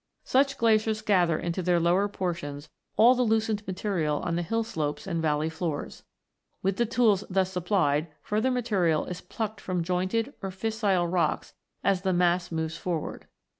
Such glaciers gather into their lower portions all the loosened material on the hill slopes and valley floors. With the tools thus supplied, further material is plucked from jointed or fissile rocks as the mass moves forward.